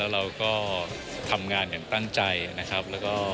เราก็ทำงานถึงตั้งใจนะครับ